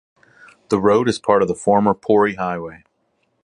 The road is part of the former Pori Highway.